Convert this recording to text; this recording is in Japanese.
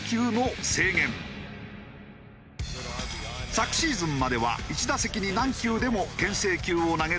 昨シーズンまでは１打席に何球でも牽制球を投げる事ができたのだが。